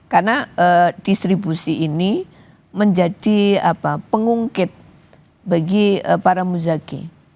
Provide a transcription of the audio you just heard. karena distribusi ini menjadi pengungkit bagi para muzaki